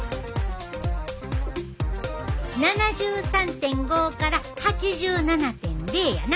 ７３．５から８７．０やな。